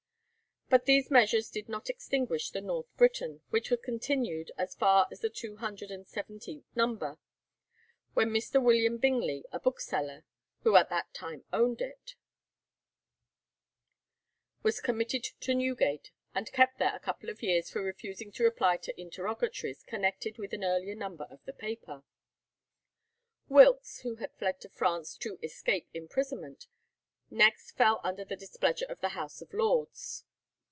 But these measures did not extinguish the 'North Briton,' which was continued as far as the two hundred and seventeenth number, when Mr. William Bingley, a bookseller, who at that time owned it, was committed to Newgate, and kept there a couple of years for refusing to reply to interrogatories connected with an earlier number of the paper. Wilkes, who had fled to France to escape imprisonment, next fell under the displeasure of the House of Lords.